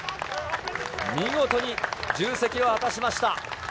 見事に重責を果たしました。